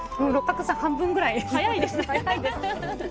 六角さん半分ぐらい早いですね。